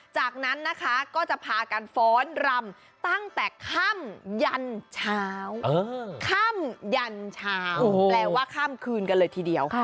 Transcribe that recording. จากนั้นก็จะพาการฝรรมตั้งแต่ค้ำยันเช้าแปลว่าค้ำคืนได้เลยทีเดียว